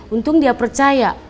untung dia percaya